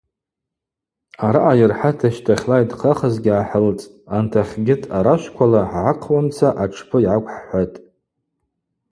Араъа йырхӏата щтахьла йтхъахызгьи гӏахӏылцӏтӏ, антахьгьыт арашвквала хӏгӏахъуамца атшпы йгӏаквхӏхӏватӏ.